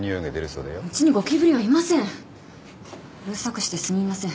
うるさくしてすみません。